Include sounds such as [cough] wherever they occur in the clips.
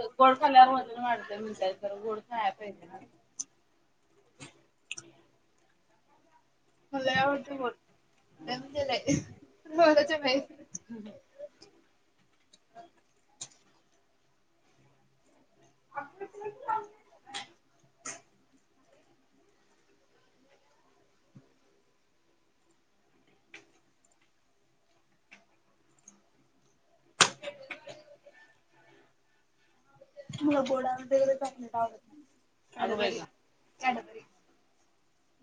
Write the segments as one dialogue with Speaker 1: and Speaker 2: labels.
Speaker 1: गोड खाल्ल्यावर, वजन वाढते म्हणत्यात. तर गोड खाया पाहिजे ना. लय आवडत्या. लय म्हणजे लय. प्रमाणाच्या बाहेर. हं. आगं, चल की बाई. [unintelligible]
Speaker 2: मला गोड आवडतंय, पण चॉकलेट आवडत नाही. [unintelligible] कॅडबरी.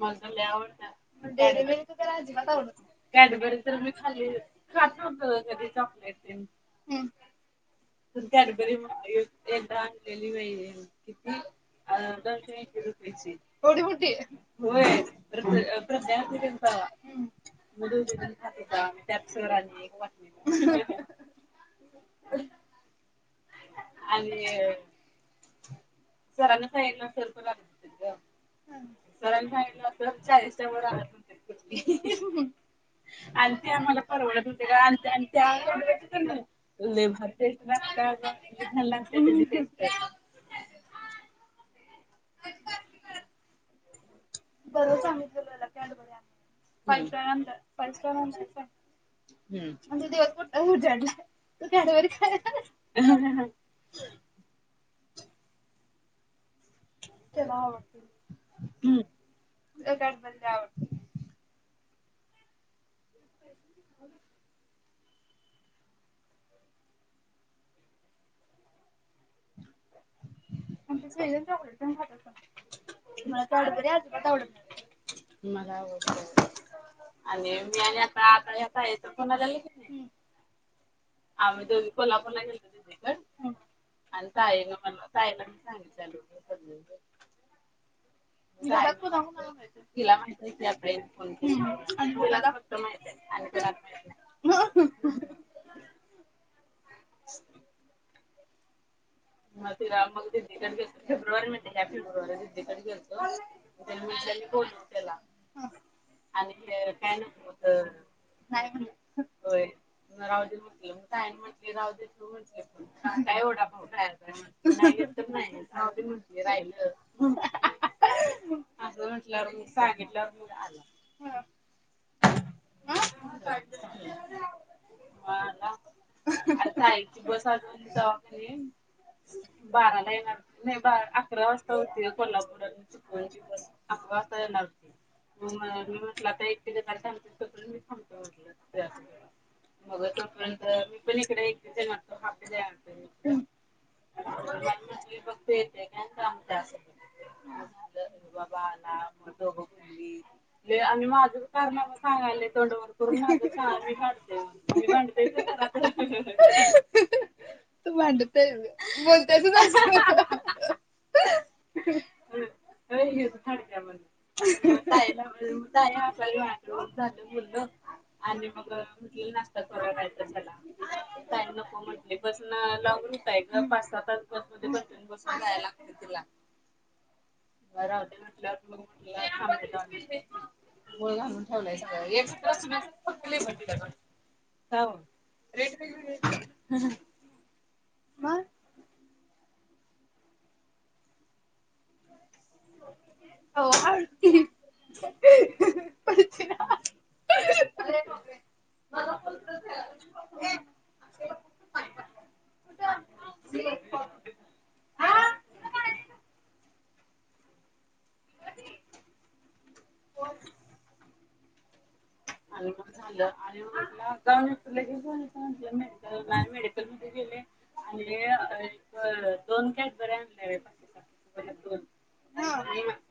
Speaker 2: मला तर लय आवडत्यात. डेरी मिल्क तर अजिबात आवडत नाही. कॅडबरी तर मी खाललेली. खात होतं, कधी चॉकलेट ते.
Speaker 1: हं. कॅडबरी [unintelligible] बाई. एकदा आणलेली बाई. किती
Speaker 2: [unintelligible] एवढी मोठी?
Speaker 1: होय. [unintelligible] हं. [unintelligible] [unintelligible] त्यात सर आले एक वाटणीला.
Speaker 2: [inaudible] आणि अ
Speaker 1: होय.
Speaker 2: सरांनी सांगितल असेल, पण [unintelligible] सरांनी सांगितल असेल चाळीसच्या वर आणायचे नाही [unintelligible] आणि ते आम्हाला परवडत होते. [unintelligible] [unintelligible]
Speaker 1: [inaudible]
Speaker 2: सरळ सांगितलेलो हेला कॅडबरी आण फाईव स्टार आणल, फाईव स्टार आणलीस काय [unintelligible] [inaudible] फोन लावलं की येत्यात पत्यावर
Speaker 1: [inaudible]
Speaker 2: [unintelligible] मला कॅडबरी अजिबातआवडत नाही.
Speaker 1: मला आवडते बाई आणि मी [unintelligible] आम्ही दोघी [unintelligible] आणि काय मग काय सांगीतल्याली सली नं
Speaker 2: घरात कुणा कुणाला
Speaker 1: [unintelligible]
Speaker 2: [unintelligible]
Speaker 1: [inaudible] मग फिराय आपण रिद्धीकडं गेलतो फीराय रिद्धीकडं गेलतो त्यांनी [unintelligible]
Speaker 2: आणि काय काय म्हणायचं काय म्हणायचं होय मग हाॅटेल मध्ये इडली खायचं सोडून कायम वडा पाव खायचं [unintelligible]
Speaker 1: असं म्हटल्यावर मी सांग
Speaker 2: [unintelligible] तवा ना हं हं हं शाळेची बस असून तवा मी बाराला येणार नाही बारा अकरा वाजता होती कोल्हापूरला चिपळी ची अकरा वाजता येणार होती मी म्हटलं तर इतकी वेळ काय थांबतीस चीपळीलाच मी थांबतो म्हटलं. [unintelligible] थोड्या वेळानी चीपळी बस येत्या त्यात [unintelligible] [unintelligible] व्हय आणि माझंच कारण आणि सांगायच्या तोंड वर करून अहं हा मी भांडतोय म्हणं तेच्या बाजूनं हं हं तू भांडतेय व्हय त्याची बाजू अह ह ह तर लेक भांडत्या म्हणून हं हं हं ताईला म्हणतो ताई आसू दे आता झालं गेलं आम्ही फक्त म्हंटलं नाष्टा करूया काय तर चला ताई नको म्हटली बसनं लावून दे ताय जाऊन बसला तरी तो
Speaker 1: बसनं जायाय लागतय तिला
Speaker 2: राहते म्हटलं आज मुरगुडलाच आमचं एक काम आहे
Speaker 1: गळ घालून ठेवलायच [unintelligible]
Speaker 2: हो
Speaker 1: रेंज नाही इकडं रेंज हम हम
Speaker 2: मग हो ऐकते मी [inaudible] पडशील ना [inaudible]
Speaker 1: हा पुढचं घ्या
Speaker 2: [unintelligible] अ झााऊन गे म मेडिकल मध्ये गेलेय. आणि एक दोन कॅट बरे आणले होय माझ्यासाठी [inaudible] दोन ह [inaudible]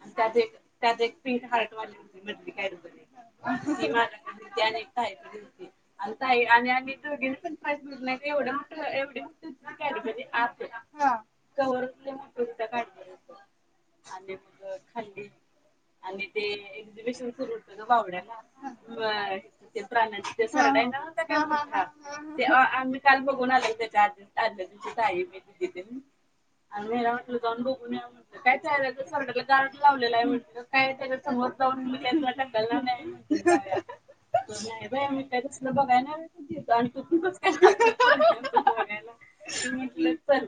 Speaker 2: आणि त्यात एक त्यात एक पीड हार्टवाले होते बली कॅडबरी त्याने नाही खायचे मी आता आहे. आणि आम्ही दोघी पण ट्राय नाही तर एवढं, एवढी मोठी होती कॅडबरी कव्हर लय मोठा होत. सकाळचे आले
Speaker 1: गोड खाल्ले
Speaker 2: आणि ते एक्झिबिशन सूरू होतना भावड्याला ते प्राण्याची सरडा आहे ना हा हा मोठा तेव्हा आम्ही काल बघून आले त्याच्या आदल्या दिवशीच काय आहे [inaudible] आम्ही आपलं जाऊन बघून या म्हटलं काय चालल तेच म्हटलं दरवाजा लावलेला आहे म्हटलं काय त्याच्या समोर जाऊ म त्याला टकलणार नाही
Speaker 1: [inaudible]
Speaker 2: नाही बाई आम्ही काही दुसरं बघायला नाही अलोय आणि तुथच बघय [inaudible] बघायला मी म्हटलं चल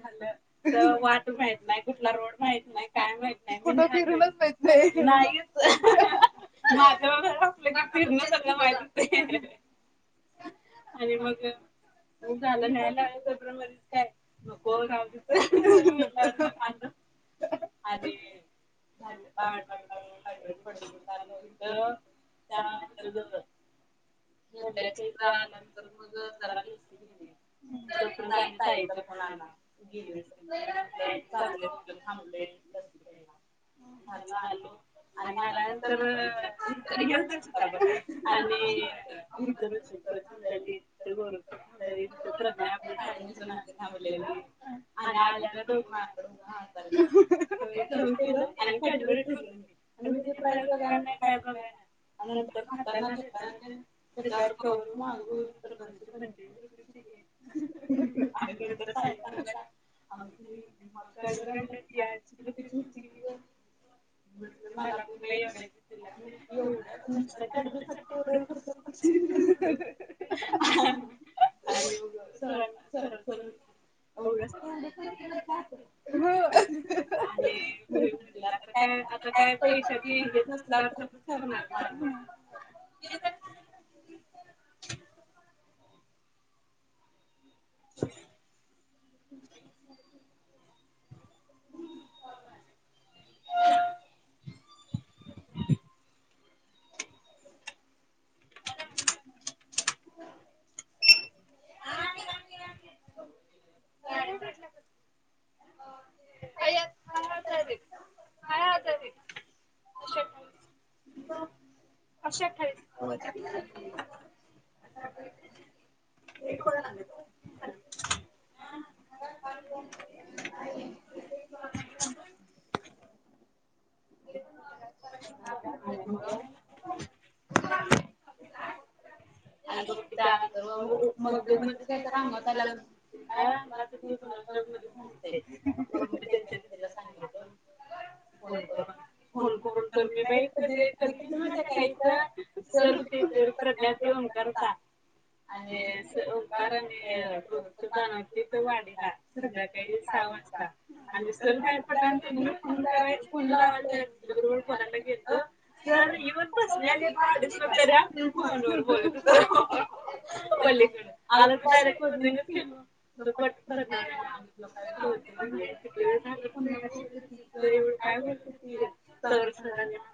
Speaker 2: झाल वााट माहीत नाही कुठला रोड माहित नाही काय माहिती काय माहित कुठ फिरूनच माहीत नाही [inaudible] [unintelligible] माझ्यावर ओरडलं की पूर्ण सगळं माहिती आणि मग झालंयला नाही ना त्यामाणे कोणीच काय कोण राहू देत म्हणूनच म्हटलं आद आली वेळ
Speaker 1: [unintelligible] खळखळ थोडं चार पोरी खेळ त्यानंतर [inaudible] त्या अंकिताचा जर आपण बीच केलं आहे वाट पाहायचं खना ना गेलेचा थांबलं लस घ्यायला हो [inaudible]
Speaker 2: आम्ही आल्यानंतर घेऊतच होता बघ आणि इथ गोर प्रज आपल्या थांबलेलं आणि आल्या आलय दोघी माझा क [unintelligible] खाऊन पिलं आणि कॅडबरी ठेवलं खालुन तुझे पायपुरे काय बघाना ना नंतर खाताना देत मला पण काही एवढं तिकीट तुमच्या गाडीत जातो एवढा वेळ पुढचं ची एढच
Speaker 1: ह [unintelligible] खाली बघून सरप सरस करून होय नाहीतरी किंमत पाहतोच [inaudible] आणि [inaudible] तुला [inaudible] प काय [inaudible]
Speaker 2: काय पैशाेत [unintelligible] [inaudible] [unintelligible] नसला तरणार
Speaker 1: [unintelligible]
Speaker 2: [unintelligible]
Speaker 1: [inaudible]
Speaker 2: ह [unintelligible] [inaudible] हाय आत्ताचं आलेत [unintelligible] अशा [inaudible] खेस [inaudible] एक फळ आणले तू.
Speaker 1: ह [unintelligible] आणि बघ, त्यानंतर मग म-मधेच, काय तर अंगात आल्यागत काय
Speaker 2: [unintelligible]
Speaker 1: जे [inaudible] इथं माहितीये काय इथं.
Speaker 2: सलते तर [inaudible] प्रज्ञा ते ओमकारचा. ओमकार आणि [inaudible] जाणार होतीत वाढीला संध्याकाळी साहा वाजता. आणि, सर बाहेर पडल्यानंतर फोन करायच, फोन लावायला देऊळ बघायला गेलतं. तर येवून बसल्यालीत [unintelligible] फोनवर बोलत होतो.
Speaker 1: आ [inaudible] [inaudible]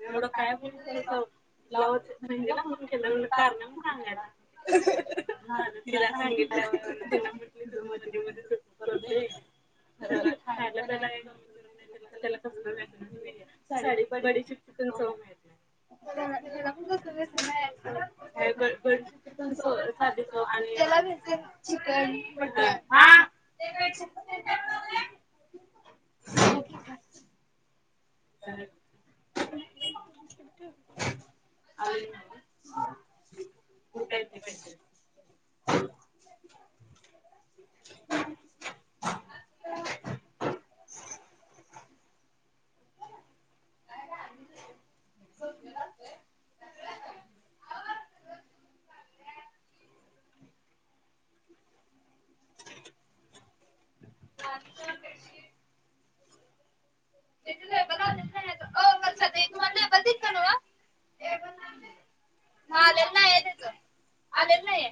Speaker 1: एवढं का [unintelligible] [unintelligible]
Speaker 2: झालं तिला सांगितल्यावर तिला म्हटले, तुझं मध्येे मध्ये [unintelligible] करतय. खायला, प्यायला, काय कमी करत नाही त्याला कसंल व्यसनाचं, [inaudible] बडीशेप तेन चव नाही. तो आणि, त्याला व्यसनं चिकन-मटन, आ [inaudible]
Speaker 1: [inaudible]
Speaker 2: काय [unintelligible] [inaudible] [unintelligible] [inaudible] कालचं बेडशीट. [unintelligible] ओ वर्षा ताई तुम्हाला डबा दिलता नव्हं. [unintelligible] मग... आलेलं नाहीय त्याचं, आलेलं नाहीय.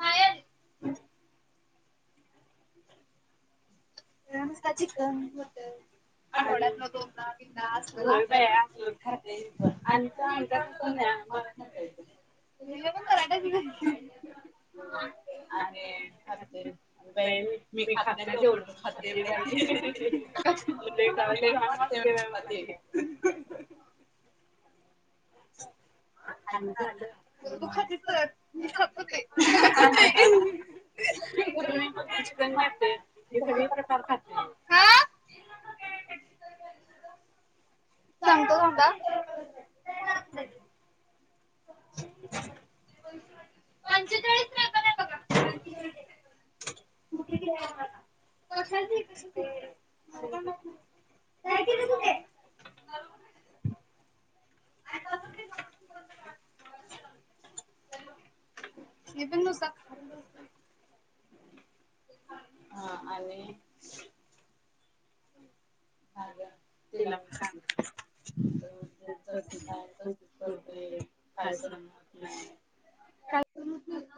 Speaker 2: पायल. तिला नुसतं चिकन, मटण. आठवड्यातनं दोनदा, तीनदा असलं लागतंय, हो बाई, असलचं खातंय. आणि ती [inaudible]
Speaker 1: [inaudible]
Speaker 2: [unintelligible] आणि [inaudible] बाई मी खात नायं तेवढं. ये बाई [unintelligible] ते लय घाण वाटते बाई मला ते. [unintelligible] [unintelligible] तू खातीसं तर आम्ही खात पण नाही. तू नुसतं चिकन खाते, मी सगळे प्रकार खाते. सांगतो [unintelligible] [inaudible] पंचेचाळीस नेबल आहे काय, बघा. [inaudible] सुट्टी दिले बघा आता, कशाची कशाची ते. [inaudible] काय केलं? कुठे?
Speaker 1: [unintelligible] [inaudible]
Speaker 2: मी पण नुसता खा
Speaker 1: आं आणि
Speaker 2: [unintelligible] [unintelligible]
Speaker 1: [inaudible]